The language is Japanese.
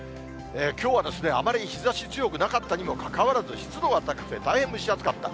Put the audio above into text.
きょうは、あまり日ざし強くなかったにもかかわらず、湿度は高くて、大変蒸し暑かった。